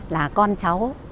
là con cháu